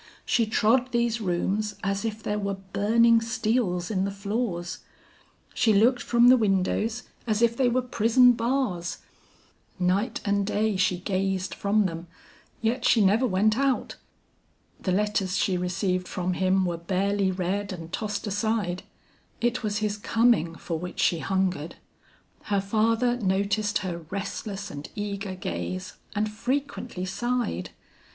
She trod these rooms as if there were burning steels in the floors, she looked from the windows as if they were prison bars; night and day she gazed from them yet she never went out. The letters she received from him were barely read and tossed aside; it was his coming for which she hungered. Her father noticed her restless and eager gaze, and frequently sighed.